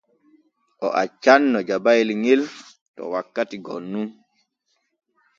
O accanno jabayel ŋel to wakkati gom nun.